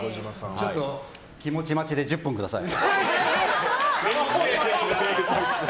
ちょっと、気持ち待ちで１０分ください。